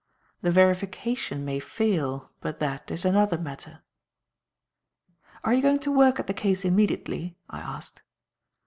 The verification may fail, but that is another matter." "Are you going to work at the case immediately?" I asked.